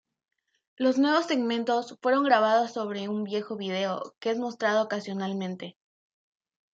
Los nuevos segmentos fueron grabados sobre un viejo vídeo que es mostrado ocasionalmente.